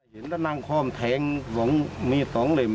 เห็นตั้งนั่งคอมแทง๒มีด๒เล็ม